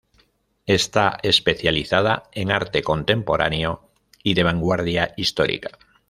Está especializada en arte contemporáneo y de vanguardia histórica.